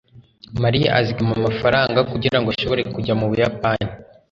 Mariya azigama amafaranga kugirango ashobore kujya mu Buyapani.